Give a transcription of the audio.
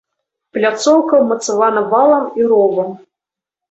Пляцоўка ўмацавана валам і ровам.